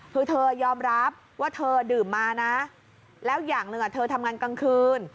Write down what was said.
คือเธอยอมรับว่าเธอดื่มมานะแล้วอย่างหนึ่งเธอทำงานกลางคืน